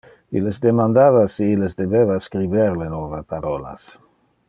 Illes demandava si illes debeva scriber le nove parolas.